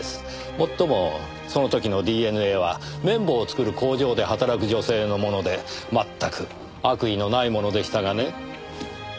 もっともその時のＤＮＡは綿棒を作る工場で働く女性のものでまったく悪意のないものでしたがね。